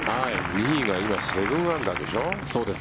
仁井が今、７アンダーでしょ。